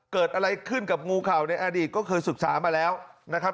เกิดอะไรขึ้นกับงูเข่าในอดีตก็เคยศึกษามาแล้วนะครับ